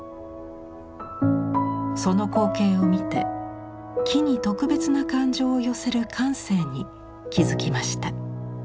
その光景を見て木に特別な感情を寄せる感性に気付きました。